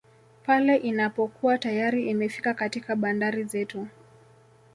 Pale inapokuwa tayari imefika katika bandari zetu